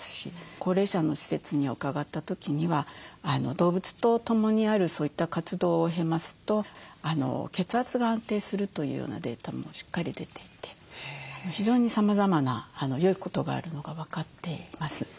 高齢者の施設に伺った時には動物と共にあるそういった活動を経ますと血圧が安定するというようなデータもしっかり出ていて非常にさまざまなよいことがあるのが分かっています。